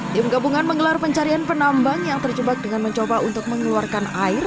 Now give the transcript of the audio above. tim gabungan menggelar pencarian penambang yang terjebak dengan mencoba untuk mengeluarkan air